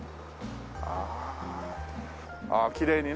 ああきれいにね